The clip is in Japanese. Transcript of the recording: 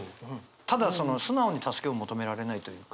ただその素直に助けを求められないというか。